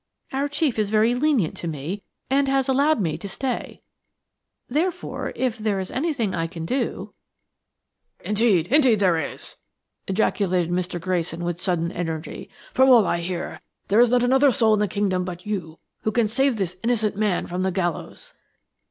Our chief is very lenient to me and has allowed me to stay. Therefore, if there is anything I can do–" "Indeed, indeed there is!" ejaculated Mr. Grayson with sudden energy. "From all I hear, there is not another soul in the kingdom but you who can save this innocent man from the gallows."